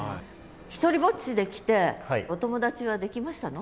独りぼっちで来てお友達はできましたの？